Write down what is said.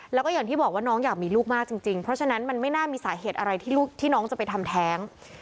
แล้วก็อย่างที่บอกว่าน้องอยากมีลูกมากจริงเพราะฉะนั้นมันไม่น่ามีสาเหตุอะไรที่ลูกที่น้องจะไปทำแท้ง